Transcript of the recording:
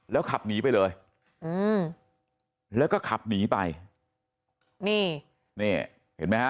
แล้วขับหนีไปเลยอืมแล้วก็ขับหนีไปนี่นี่เห็นไหมฮะ